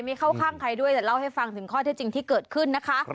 ไม่เข้าข้างใครด้วยแต่เล่าให้ฟังถึงข้อเท็จจริงที่เกิดขึ้นนะคะ